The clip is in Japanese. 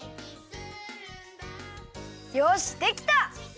よしできた！